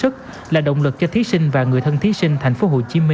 có lập tiên bản và xử lý